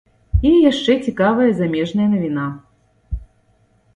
І яшчэ цікавая замежная навіна.